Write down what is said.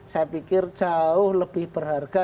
saya pikir jauh lebih berharga